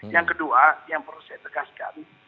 yang kedua yang perlu saya tegaskan